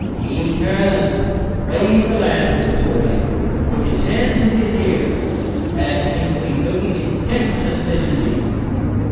He turned, raised the lantern before him, put his hand to his ear, and seemed to be looking intense and listening.